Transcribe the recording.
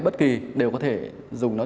bất kỳ đều có thể dùng nó